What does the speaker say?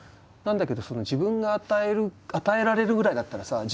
なんだけど自分が与えられるぐらいだったらさ